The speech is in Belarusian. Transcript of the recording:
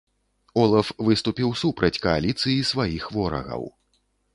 Олаф выступіў супраць кааліцыі сваіх ворагаў.